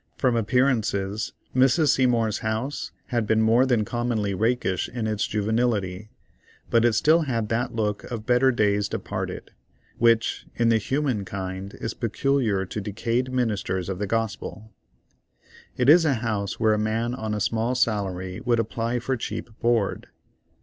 From appearances, Mrs. Seymour's house had been more than commonly rakish in its juvenility, but it still had that look of better days departed, which, in the human kind, is peculiar to decayed ministers of the gospel. It is a house where a man on a small salary would apply for cheap board.